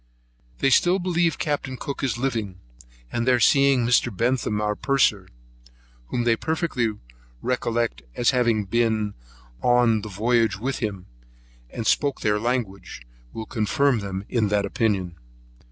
They still believe Capt. Cook is living; and their seeing Mr. Bentham our purser, whom they perfectly recollected as having been the voyage with him, and spoke their language, will confirm them in that opinion.